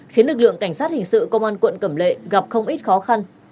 khiến lực lượng cảnh sát hình sự công an quận cẩm lệ gặp không ít khó khăn